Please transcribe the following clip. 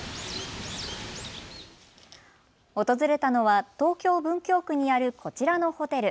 訪れたのは東京文京区にあるこちらのホテル。